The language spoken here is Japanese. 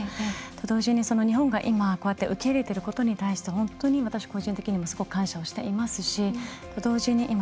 同時に日本が今受け入れていることに対して私、個人的にもすごく感謝をしていますし。